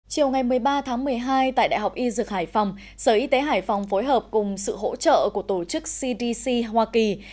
chiều ngày một mươi ba tháng một mươi hai tại đại học y dược hải phòng sở y tế hải phòng phối hợp cùng sự hỗ trợ của tổ chức cdc hoa kỳ